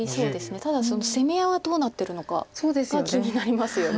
ただ攻め合いはどうなってるのかが気になりますよね。